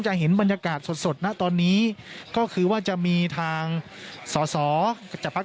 เห็นบรรยากาศสดสดนะตอนนี้ก็คือว่าจะมีทางสอสอจากภักดิ